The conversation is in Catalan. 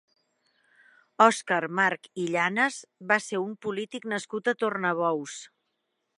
Òscar March i Llanes va ser un polític nascut a Tornabous.